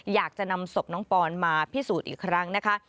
อยากจะนำศพน้องปอนมาพิสูจน์อีกครั้งนะคะ